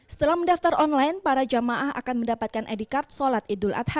setelah mendaftar online para jamaah akan mendapatkan edikard salat idul adha